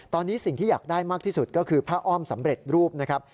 ตอนนี้สิ่งที่อยากได้มากที่สุดก็คือผ้าอ้อมสำเร็จรูปนะครับ